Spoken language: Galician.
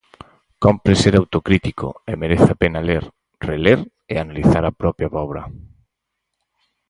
Compre ser autocrítico e merece a pena ler, reler e analizar a propia obra.